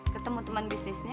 ketemu teman bisnisnya